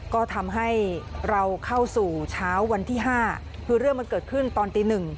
ก็ทำให้เราเข้าสู่เช้าวันที่๕คือเรื่องมันเกิดขึ้นตอนตีหนึ่ง